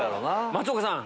松岡さん